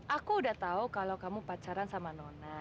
aku udah tahu kalau kamu pacaran sama nona